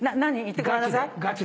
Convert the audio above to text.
言ってください。